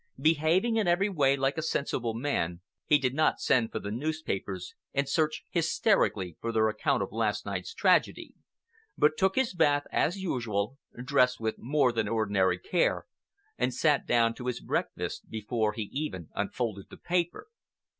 Behaving in every way like a sensible man, he did not send for the newspapers and search hysterically for their account of last night's tragedy, but took his bath as usual, dressed with more than ordinary care, and sat down to his breakfast before he even unfolded the paper.